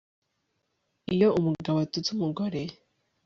Iyo umugabo atutse umugore